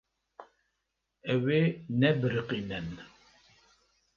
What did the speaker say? Ew ê nebiriqînin.